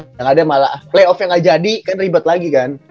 yang ada malah playoff yang gak jadi kan ribet lagi kan